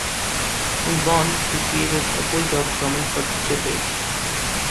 In Bond, he created a Bulldog Drummond for the jet age.